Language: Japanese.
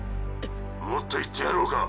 もっと言ってやろうか！